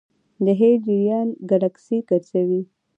د هبل جریان ګلکسي ګرځوي.